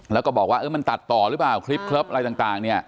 แล้วก็บอกว่ามันตัดต่อหรือเปล่าคลิปเลิฟอะไรต่างเนี่ย